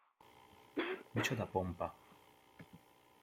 Micsoda pompa!